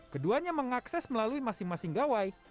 keduanya mengakses melalui masing masing gawai